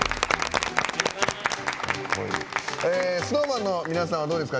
ＳｎｏｗＭａｎの皆さんはどうですか？